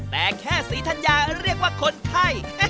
แต่แค่ศรีธัญญาเรียกว่าคนไข้